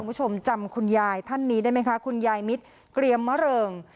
คุณผู้ชมจำคุณยายท่านนี้ได้ไหมคะคุณยายมิตรเกรียมมะเริง